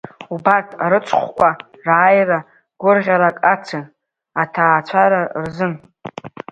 Убарҭ арыцхәқәа рааира гәырӷьарак ацын аҭаацәара рзын.